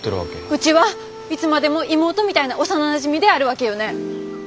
うちはいつまでも妹みたいな幼なじみであるわけよね？